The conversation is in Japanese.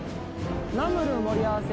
ナムル盛り合わせ。